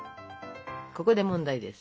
ここで問題です。